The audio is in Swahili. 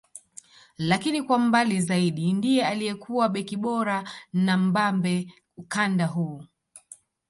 Lakini kwa mbali zaidi ndiye aliyekuwa beki bora na mbabe ukanda huu